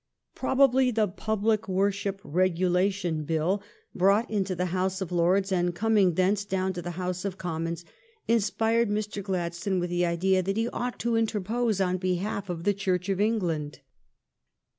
Probably the Public Worship Regulation Bill, 314 THE STORY OF GLADSTONE'S LIFE brought into the House of Lords, and coming thence down to the House of Commons, inspired Mr. Gladstone with the idea that he ought to in terpose on behalf of the Church of England.